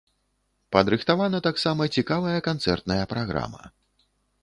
Падрыхтавана таксама цікавая канцэртная праграма.